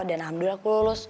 dan alhamdulillah aku lulus